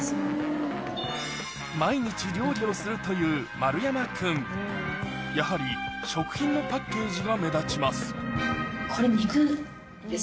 毎日料理をするという丸山君やはり食品のパッケージが目立ちます